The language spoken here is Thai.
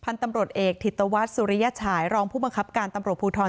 ตำรวจเอกถิตวัตรสุริยฉายรองผู้บังคับการตำรวจภูทร